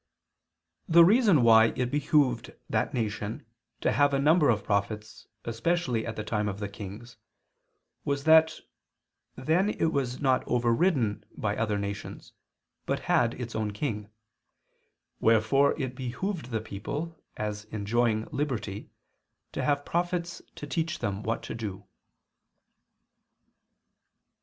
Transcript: The reason why it behooved that nation to have a number of prophets especially at the time of the kings, was that then it was not over ridden by other nations, but had its own king; wherefore it behooved the people, as enjoying liberty, to have prophets to teach them what to do.